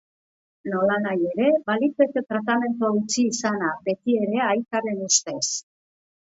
Nolanahi ere, baliteke tratamendua utzi izana, betiere aitaren ustez.